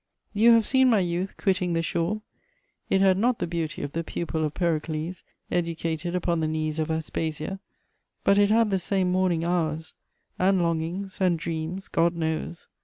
You have seen my youth quitting the shore: it had not the beauty of the pupil of Pericles, educated upon the knees of Aspasia but it had the same morning hours and longings and dreams, God knows!